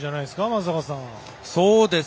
松坂さん。